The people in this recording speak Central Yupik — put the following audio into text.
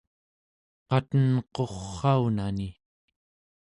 qatenqurraunani